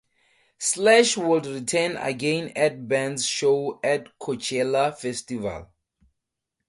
Slash would return again at bands show at Coachella Festival.